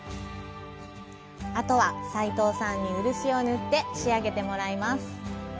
あとは斉藤さんに漆を塗って仕上げてもらいます。